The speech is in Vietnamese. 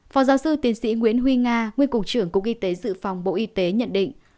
phó giáo sư tiến sĩ nguyễn huy nga nguyên cục trưởng cục y tế dự phòng bộ y tế nhận định